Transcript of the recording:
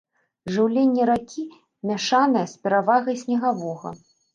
Жыўленне ракі мяшанае з перавагай снегавога.